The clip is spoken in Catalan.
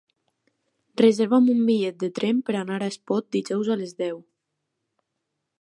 Reserva'm un bitllet de tren per anar a Espot dijous a les deu.